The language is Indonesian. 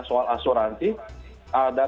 soal asuransi ada